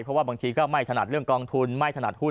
เพราะว่าบางทีก็ไม่ถนัดเรื่องกองทุนไม่ถนัดหุ้น